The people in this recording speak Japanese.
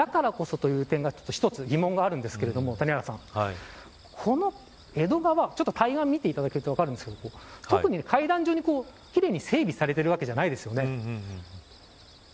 だからこそという点が一つ、疑問があるんですけれどもこの江戸川、対岸を見ていただくと分かるんですが特に階段状に奇麗に整備されているわけではありません。